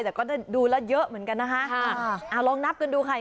แต่ก็ได้ดูแล้วเยอะเหมือนกันนะคะอ่าลองนับกันดูค่ะ